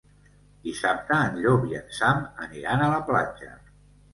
Dissabte en Llop i en Sam aniran a la platja.